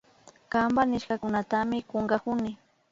Kanpa nishkakunatami kunkakuni